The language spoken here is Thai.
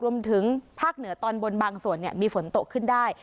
รวมถึงภาคเหนือตอนบนบางส่วนมีฝนตกขึ้นได้